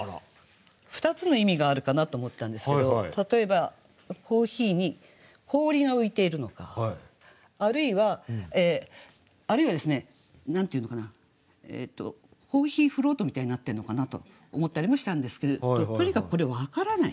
２つの意味があるかなと思ったんですけど例えばコーヒーに氷が浮いているのかあるいはあるいはですね何と言うのかなコーヒーフロートみたいになってるのかなと思ったりもしたんですけれどとにかくこれ分からない。